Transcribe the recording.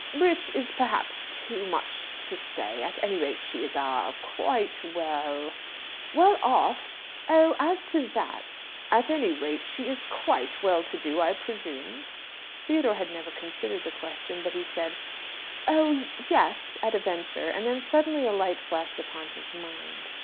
"Rich is, perhaps, too much to say. At any rate, she is a quite well " "Well off? Oh, as to that " "At any rate, she is quite well to do, I presume!" Theodore had never considered the question, but he said, "Oh yes," at a venture; and then suddenly a light flashed upon his mind.